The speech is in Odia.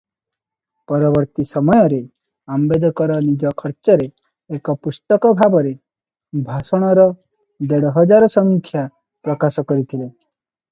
ପରବର୍ତ୍ତୀ ସମୟରେ ଆମ୍ବେଦକର ନିଜ ଖର୍ଚ୍ଚରେ ଏକ ପୁସ୍ତକ ଭାବରେ ଭାଷଣର ଦେଢ଼ହଜାର ସଂଖ୍ୟା ପ୍ରକାଶ କରିଥିଲେ ।